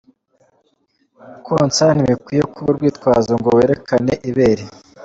Konsa ntibikwiye kuba urwitwazo ngo werekana ibere.